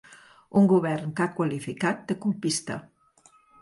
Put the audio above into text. Un govern que ha qualificat de ‘colpista’.